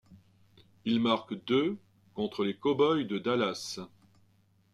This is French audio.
Il marque deux ' contre les Cowboys de Dallas.